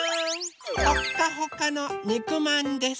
ほっかほかのにくまんです！